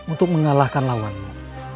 untuk mengalahkan lawanmu